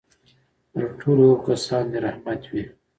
پر ټولو هغو کسانو دي رحمت وي.